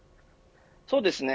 そうですね。